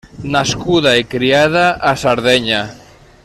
Nascuda i criada a Sardenya.